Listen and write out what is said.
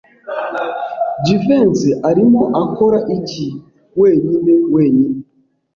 Jivency arimo akora iki wenyine wenyine?